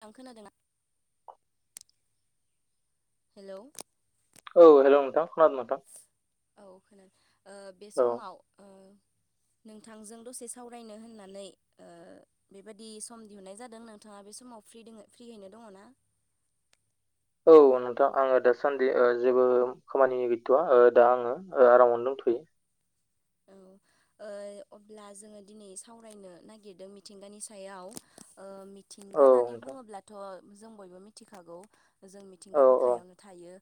थां खोनादोंना? हेल' औ हेल' नोंथां खोनादों नोंथां। औ खोनादों ओ बे औ समाव नोंथांजों दसे सावरायनो होननानै ओ बेयबादि सम दिहुननाय जादों नोंथाङा बे समाव [unintelligible] औ नोंथां आङो दासान्दि ओ जेबो खामानि गैथ'आ ओ दा आङो आरामावनो दंथ'यो। [inaudible] औ। ओ अब्ला जोङो दिनै सावरायनो नागिरदों मिथिंगानि सायाव ओ मिथिंगा औ होननानै नोंथां बुङोब्लाथ' जों बयबो मिथिखागौ। जों औ मिथिंगा औ बिखायावनो थायो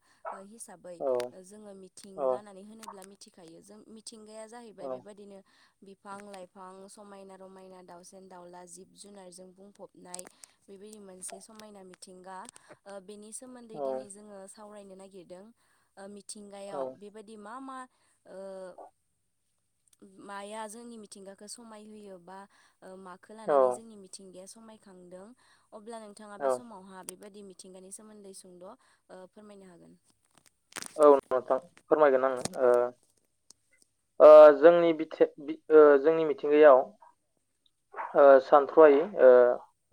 हिसाबै औ जोङो औ मिथिंगा होननानै होनोब्ला मिथिखायो जों मिथिंगाया जाहैबाय औ बेबायदिनो बिफां -लाइफां, समायना- रमायना, दाउसेन -दाउला जिब -जुनारजों बुंफबनाय बे मोनसे समायना मिथिंगा ओ बेनि सोमोन्दै औ दिनै जोङो सावरायनो नागिरदों ओ औ मिथिंगायाव बेबायदि मा मा ओ माया जोंनि मिथिंगाखौ समाय होयो बा ओ माखौ औ लानानै जोंनि मिथिंगाया समायखांदों अब्ला नोंथाङा औ बे समावहाय बेबायदि मिथिंगानि सोमोन्दै सुंद'ओ फोरमायनो हागोन? औ नोंथां फोरमायगोन आङो ओ ओ जोंनि बिथि ओ जोंनि मिथिंगायाव ओ सानथ्र' हायै ओ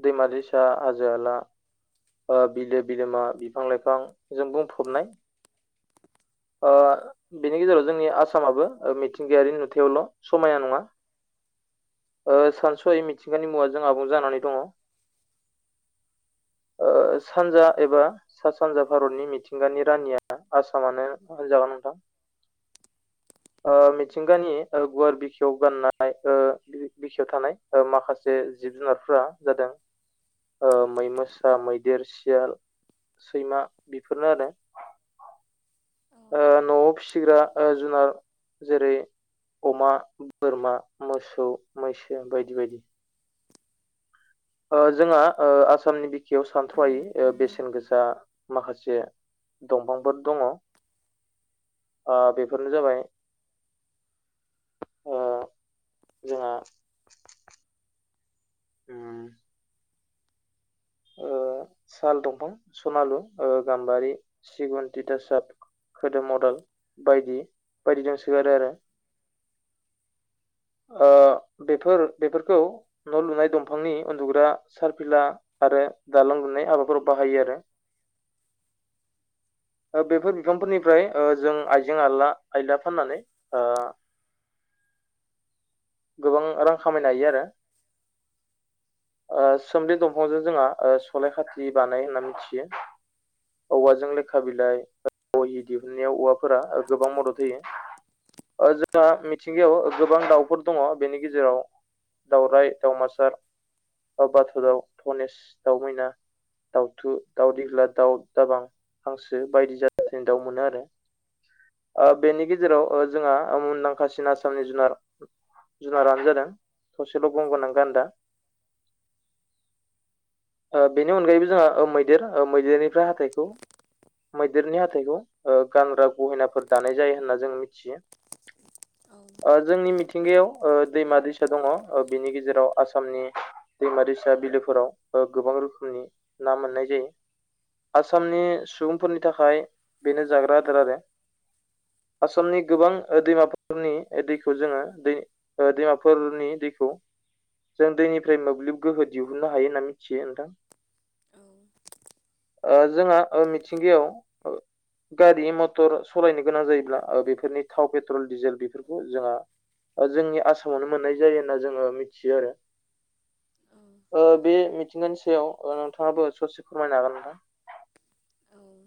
दैमा-दैसा, हाजो-हाला ओ बिलो-बिलोमा, बिफां-लाइफां जों बुंफबनाय। ओ बिनि गेजेराव जोंनि आसामाबो ओ मिथिंगायारि नुथायावल' समायना नङा। [inaudible] सानस हायै मिथिंगानि मुवाजों आबुं जानानै दङ। [inaudible] सानजा एबा सा सानजा भारतनि मिथिंगानि रानिया आसामानो होनजागोन नोंथां। मिथिंगानि गुवार बिखायाव गाननाय बिखायाव थानाय माखासे जिब जुनारफोरा जादों मै मोसा मैदेर सियाल सैमा बेफोरनो आरो। औ ओ न'आव फिसिग्रा जुनार जेरै अमा बोरमा मोसौ मैसो बायदि बायदि जोंहा आसामनि बिखायाव सानथ्र' हायै बेसेन गोसा। दा माखासे दंफांफोर दङ बेफोरनो जाबाय जोंहा [inaudible] साल दंफां सनालु गाम्बारि सिगुन दिथासाब खोदोम मदेल बायदि बायदिजों सोगोरो आरो। बेफोर बेफोरखौ न' लुनाय दंफांनि उन्दुग्रा सारफिला आरो दालां दुनाय हाबाफोराव बाहायो आरो। [inaudible] बेफोर बिफांफोरनिफ्राय जों आइजें आइला आइला फाननानै [inaudible] गोबां रां खामायनो हायो आरो। सोमलि दंफांजों जोंहा सलाय खाथि बानायो होननानै मिथियो। औवाजों लेखा बिलाइ बहि दिहुननायाव औवाफोरा गोबां मदद होयो। जोंहा मिथिंगायाव गोबां दाउफोर दङ बेनि गेजेराव दावराइ दावमासार दाव बाथ' दाव, धनेस दाव मैना दाउथु, दाउ देग्ला, दाउ दाबां, हांसो बायदि जासिनि दाउ मोनो आरो। आ बेनि गेजेराव जोंहा मुंदांखासिन आसामनि जुनार जुनारानो जादों थसेल' गं गोनां गान्दा [unintelligible] ओ बेनि अनगायैबो जोंहा मैदेर मैदेरनिफ्राय हाथाइखौ मैदेरनि हाथाइखौ गानग्रा गहेनाफोर दानाय जायो होनना जों मिथियो। औ ओ जोंनि मिथि ओ दैमा दैसा दङ ओ बिनि गेजेराव आसामनि दैमा दैसा बिलोफोराव ओ गोबां। रोखोमनि ना मोननाय जायो। आसामनि सुबुंफोरनि थाखाय बेनो जाग्रा आदार आरो। आसामनि गोबां दैमाफोरनि दैखौ जोङो दै दैमाफोरनि दैखौ जों दैनिफ्राय मोब्लिब गोहो दिहुननो हायो होनना मिथियो नोंथां। जोंहा मिथिंगायाव गारि मटर सालायनो गोनां जायोब्ला बेफोरनि थाव पेट्रल डिजेल बेफोरखौ जोंहा जोंनि आसामावनो मोननाय जायो होनना जोङो मिथियो आरो। औ ओ बे मिथिंगानि सायाव नोंथाङाबो ससे फोरमायनो हागोन नामा? औ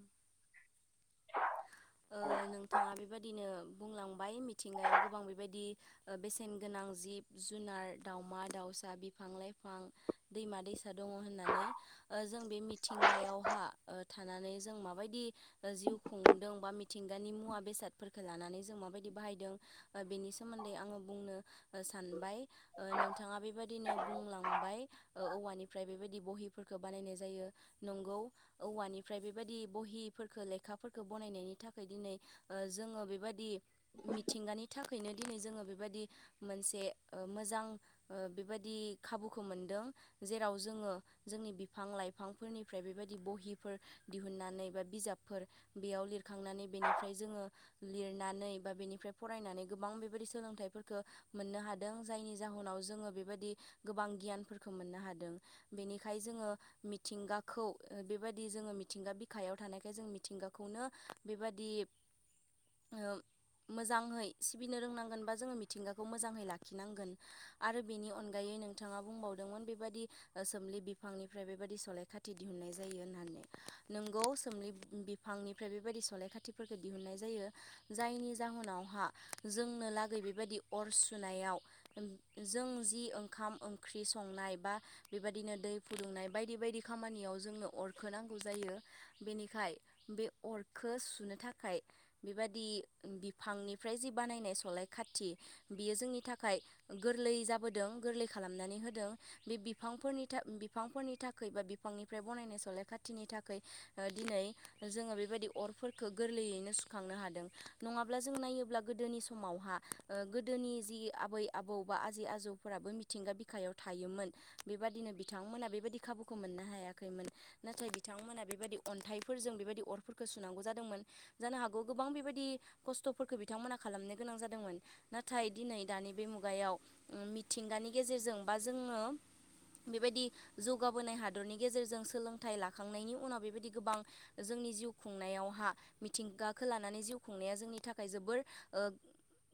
ओ नोंथाङा बेबादिनो बुंलांबाय मिथिंगायाव गोबां बेबायदि ओ बेसेन गोनां जिब जुनार दावउमा दाउ सा बिफां लाइफां दैमा दैसा दङ होननानै जों बे मिथिंगायावहा ओ थानानै जों माबायदि जिउ खुं दं मिथिंगानि मुवा बेसादफोरखौ लानानै जों माबायदि बाहायदों बेनि सोमोन्दै आङो बुंनो। ओ सानबाय ओ नोंथाङा बेबायदिनो बुंलांबाय औवानिफ्राय बेबायदि बहि बानायनाय जायो नंगौ औवानिफ्राय बेबायदि बहिफोरखो लेखाफोरखो बनायनायनि थाखाय दिनै जोङो बेबादि मिथिंगानि थाख बिदिनो दिनै जोङो बेबायदि मोनसे मोजां ओ बेबायदि खाबुखौ मोनदों। जेराव जोङो जोंनि बिफां लाइफांफोरनिफ्राय बेबायदि बहिफोर दिहुननानै बा बिजाबफोर बेयाव लिरखांनानै बेनिफ्राय जोङो लिरनानै बा बेनिफ्राय फरायनानै गोबां बेबायदि सोलोंथाइ फोरखो मोननो हादों जायनि जाहोनाव जोङो बेबायदि गोबां गियानफोरखौ मोननो हादों। बेनिखाय जोङो मिथिंगाखौ बेबायदि जोङो मिथिंगा बिखायाव थानायखाय जों मिथिंगाखौ खौनो बेबादि ओ मोजाङै सिबिनो रोंनांगोन बा जोङो मिथिंगाखौ मोजाङै लाखिनांगोन आरो बेनि अनगायै नोंथाङा बुंबावदोंमोन बेबायदि सोमलि बिफांनिफ्राय बेबायदि सलाय खाथि दिहुननाय जायो होननानै। नोंगौ सोमलि बि बिफांनिफ्राय बेबायदि सलाय खाथिफोरखौ दिहुननाय जायो जायनि जाहोनावहा जोंनो लागै बेबायदि अर सुनायाव जों जि ओंखाम ओंख्रि संनाय बा बेबायदिनो दै फुदुंनाय बायदि बायदि खामानियाव जोंनो अरखो नांगौ जायो बेनिखाय बे अरखो सुनो थाखाय बेबादि बिफांनिफ्राय जि बानायनाय सलाय खाथि बियो जोंनि थाखाय गोरलै जाबोदों गोरलै खालामनानै होदों बे बिफांफोरनि थाखाय बिफांफोरनि थाखाय बा बिफांनिफ्राय बनायनाय सलाय खाथिनि थाखाय ओ दिनै जोङो बेबायदि अरफोरखौ गोरलैयैनो सुखांनो हादों नङाब्ला जों नायोब्ला गोदोनि समावहा गोदोनि जि आबै आबौ बा आजै आजौफोराबो मिथिंगा बिखायाव थायोमोन। बेबादिनो बिथांमोना बेबायदि खाबुखौ मोननो हायाखैमोन नाथाय बिथांमोना बेबायदि अन्थाइफोरजों बेबायदि अरफोरखौ सुनांगौ जादोंमोन जानो हागौ गोबां बेबायदि खस्थ'फोरखौ बिथांमोना खालामनो गोनां जादोंमोन। मोन नाथाय दिनै दानि बे मुगायाव मिथिंगानि गेजेरजों बा जोङो बेबायदि जौगाबोनाय हादरनि गेजेरजों सोलोंथाइ लाखांनायनि उनाव बेबायदि गोबां जोंनि जिउ खुंनायावहा मिथिंगाखौ लानानै जिउ खुंनाया जोंनि थाखाय जोबोर ओ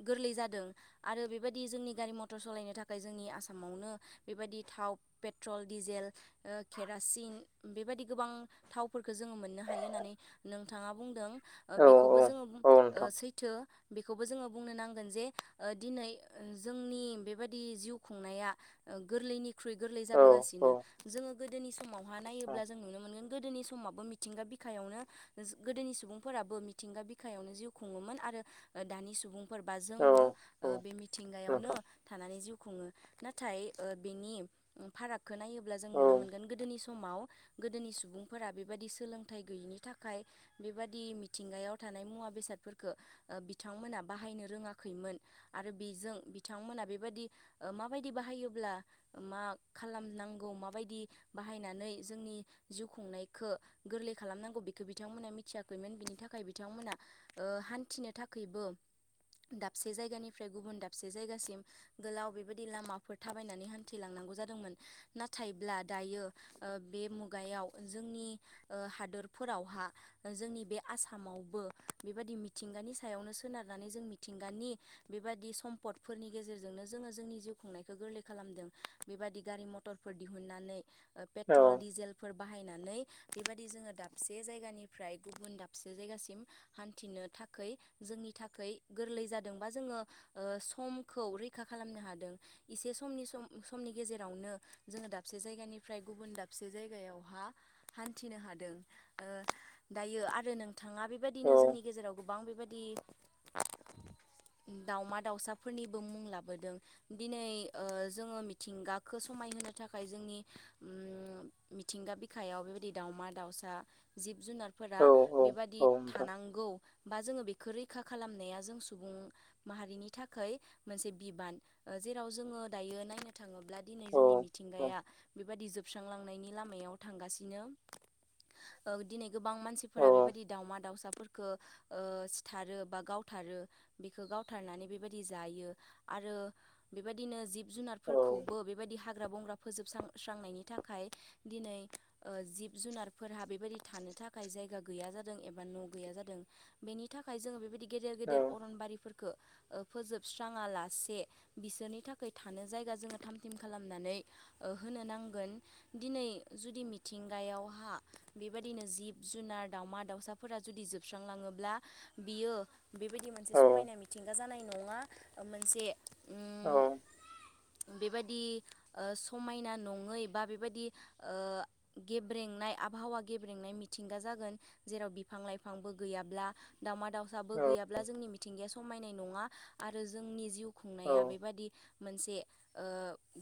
गोरलै जादों आरो बेबादि जोंनि गारि मथर सालायनो थाखै जोंनि आसामावनो बेबादि था थावप पेट्रल डिजेल ओ केरासिन बेबादि गोबां थावफोरखो जोङो मोननो ह हायो होनानै नोंथाङा बुंदों ओ बेखौबो जोङो बु ओ नोंथां सैथो बेख खौबो जोङो बुंनो नांगोन जे ओ दिनै ओ जोंनि बेबादि जिउ खुंनाया ओ गोरलैनिख्रुइ गोरलै औ औ जाबोगासिनो जोङो गोदोनि समावहा नायोब्ला नोंथां जों नुनो मोनगोन गोदोनि समावबो मिथिंगा बिक खायावनो ज गोदोनि सुबुंफोराबो मिथिंगा बिखायावनो जिउ खुङोमोन आरो ओ दानि सुबुं फोरबा औ जोंबो औ ओ बे मिथिंगायावनो नोंथां थानानै जिउ खुङो। नाथाय ओ बेनि फारागखो नायोब्ला जों औ नुनो मोनगोन गोदोनि समाव गोदोनि सुबुंफोरा बेबादि सोलों थाय गैयिनि थाखाय बेबादि मिथिंगायाव थानाय मुवा बेसादफोरखो बिथांमोना बाहाय नो रोङाखैमोन आरो बेजों बिथांमोना बेबादि ओ माबायदि बाहायोब्ला उम्म मा खालामनांगौ माबायदि बाहायनानै जोंनि जिउ खुंनायखो गोरलै खालामनांगौ बेखो बिथांमोना मिथियाखैमोन बिनि थाखाय बिथांमोना ओ हान्थिनो थाखैबो दाबसे जायगानिफ्राय गुबुन दाबसे जायगासिम गोलाव बेबादि लामाफोर थाबायनानै हान्थिलांना नांगौ जादोंमोन नाथायब्ला दायो ओ बे मुगायाव जोंनि ओ हादोरफोरावहा जोंनि बे आसामावबो बेबादि मिथिंगानि सायावनो सोनार नानै जों मिथिंगानि बेबादि सम्पदफोरनि गेजेरजोंनो जोङो जोंनि जिउ खुंनायखो गोरलै खालामदों। बेबादि गारि मटरफोर दिहुननानै औ पेट्रल डिजेलफोर बाहायनानै बेबादि जोङो दाबसे जायगानिफ्राय गुबुन दाबसे जायगासिम हान्थिनो थाखै जोंनि इथाखै गोरलै जादों बा जोङो ओ समखौ रैखा खालामनो हादों इसे समनि सम समनि गेजेरावनो जोङो दाबसे जायगानिफ्राय गुबुन दाबसे जायगायावहा हान्थिनो हादों ओ दायो आरो नों थाङा औ बेबादिनो जोंनि गेजेराव गोबां बेबादि दावमा दाउसाफोरनिबो मुं लाबोदों दिनै ओ जोङो मिथिंगाखो समायहोनो थाखाय जोंनि उम मिथिंगा बिखायाव बेबायद दि दावमा दाउसा जिब जुनारफोरा औ बेबादि औ नोंथां थानांगौ बा जोङो बेख खो रैखा खालामनाया जों सुबुं माहारिनि थाखै मोनसे बिबान ओ जेराव जोङो ओ दायो नायनो था थाङोब्ला दिनै औ जोंनि मिथिंगाया बेबादि जोबस्रांलांनायनि लामायाव थांगासिनो। ओ दिनै गोबां मानसिफोरा औ बेबादि दावमा दाउसाफोरख खो ओ सिथारो बा गावथारो बेखो गावथारनानै बेबायदि जायो आरो ओ बेबादिनो जिब जुनारफोरखौबो बेबादि हाग्रा बंग्रा फोजोबस्रां स्रांनायनि थाखाय दिनै ओ जिब जुनारफोरहा बेबादि थानो थाखाय जायगा गैया जादों एबा न' गैया जादों बेनि थाखाय जोङो बेबादि गेदेर औ गेदेर अरनबारिफोरखो ओ फोजोबस्राङा लासे बिसोरनि थाखाय थानो जायगा जोङो थाम थिम खालामनानै ओ होनो नांगोन दिनै जुदि मिथिं नायावहा बेबादिनो जिब जुनार दाउमा दाउसाफोरा जुदि जोबस्रांलाङोब्ला बि इयो बेबायदि मोनसे औ समायना मिथिंगा जानाय नङा‌ ओ मोनसे उम औ बेबादि ओ समायना नङै बा बेबादि ओ गेब्रेंनाय आबहावा गेब्रेंनाय मिथिंगा जागोन जेराव बिफां लाइफांबो गैयाब्ला दावमा दाउसाबो गैयाब्ला जोंनि मिथिंगाया समायनाय नङा आरो जोंनि जिउ खुंनाया औ बेबादि मोनसे ओ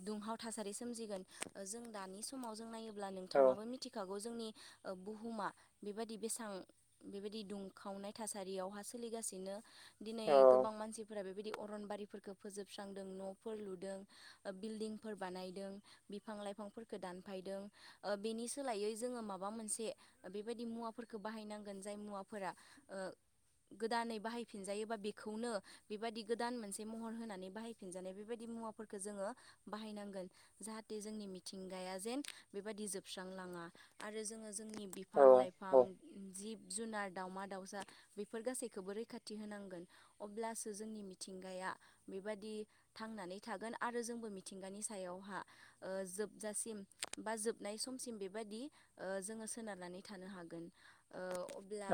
दुंहाव थासारि सोमजिगोन ओ जों दानि समाव जों नायोब्ला थाङाबो मिथिखाग गौ जोंनि ओ बुहुमा बेबादि बेसां बेबादि दुंखावनाय थासारियावहा सोलि इगासिनो दिनै गोबां मानसिफोरा बेबादि अर रनबारिफोरखो फोजोबस्रांदों न'फोर लुदों ओ बिल्दिंफोर बानायदों बिफां लाइफां फोरखो दानफायदों ओ बेनि सोलायै जोङो माबा मोनसे ओ बेबायदि मुवाफोरखौ बाहायनांगोन जाय मुवाफोरा ओ गोदानै बाहायफिनजायोबा बेखौनो बेबादि गोदान मोनसे महर होनानै बाहायफिनजानाय बेबादि मुवाफोरखो जोङो बाहायनांगोन जाहाटे मिथिंगाया जेम बिफ बायदि जोबस्रां लाङा आरो जोङो जोंनि बिफां नोंथां लाइफां जिब जुनार दावमा दाउसा बेफोर गासैखौबो रैखाथि होनांगोन अब्लासो जोंनि मिथिंगाय या बेबादि थांनानै थागोन आरो जोंबो मिथिंगानि सायावहा ओ जोबजास सिम जोबनाय समसिम बेबायदि ओ जोङो सोनारनानै थानो हागोन। ओ अब्ला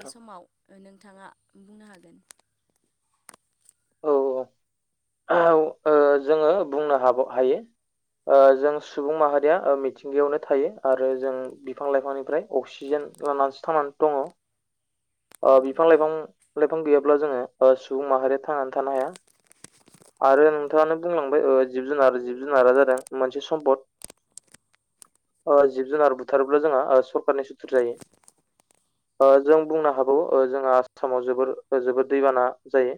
बे समाव ओ नोंथाङा बुंनो हागोन औ [inaudible] औ ओ जोङो बुंनो हाबाव हायो। ओ जों सुबुं माहारिया ओ मिथिंगायावनो थायो आरो जों बिफां लाइफांनिफ्राय अक्सिजेन ओ लानानैसो थांनानै दङ। [inaudible] ओ बिफां नोंथां लाइफां लाइफां गैयाब्ला जोङो ओ सुबुं माहारिया थांनानै थानो हाया आरो औ नोंथाङानो बुंलांबाय ओज जिब जुनार जिब जुनारा जादों मोनसे सम्पद। ओ जिब जुनार बुथारोब्ला जोंहा ओ सरखारनि सुथुर जायो। ओ जों बुंनो हाबावो ओ जोंहा आसामाव जोबोर ओ जोबोर दैबाना जायो।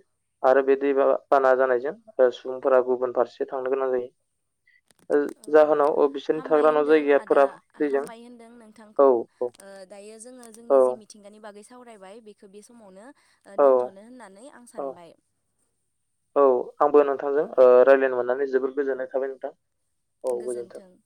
आरो बे दै बा बा बाना जानायजों ओ सुबुंफोरा गुबुन फारसे थांनो गोनां जायो। ओ जाहोनाव ओ बिसोरनि हामबाय थाग्रा न' होनदों आदा जायगाफोरा दैजों हामबाय होनदों औ नोंथांखौ औ ओ दायो जोङो औ जोंनि जिम मिथिंगानि बागै सावरायबाय बेखो बे समावनो औ दोन्थ'नो होननानै आं औ सानबाय औ आंबो नोंथांजों रायलायनो मोननानै जोबोद गोजोननाय थाबाय नोंथां। गोजोन्थों